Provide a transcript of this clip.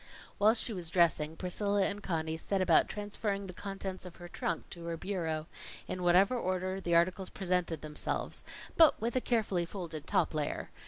While she was dressing, Priscilla and Conny set about transferring the contents of her trunk to her bureau, in whatever order the articles presented themselves but with a carefully folded top layer.